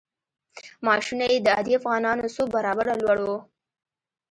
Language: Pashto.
معاشونه یې د عادي افغانانو څو برابره لوړ وو.